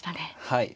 はい。